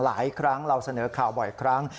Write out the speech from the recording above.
หลายครั้งเราเสนอข่าวบ่อยครั้ง